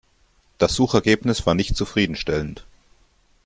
Das Suchergebnis war nicht zufriedenstellend.